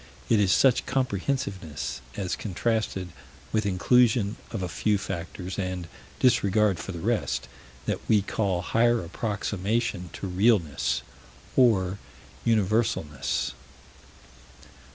It is such comprehensiveness, as contrasted with inclusion of a few factors and disregard for the rest, that we call higher approximation to realness or universalness.